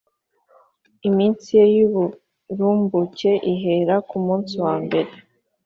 iminsi ye y’uburumbuke ihera ku munsi wa mbere